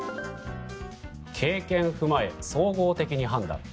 経験踏まえ総合的に判断。